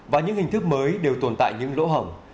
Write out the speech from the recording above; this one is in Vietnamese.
và những hình thức mới đều tồn tại những lỗ hỏng